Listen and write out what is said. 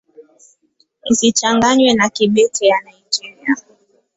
Isichanganywe na Kibete ya Nigeria.